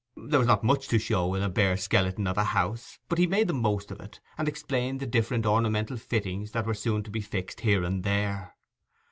There was not much to show in such a bare skeleton of a house, but he made the most of it, and explained the different ornamental fittings that were soon to be fixed here and there.